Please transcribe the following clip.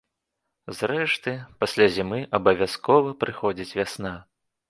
Зрэшты, пасля зімы абавязкова прыходзіць вясна.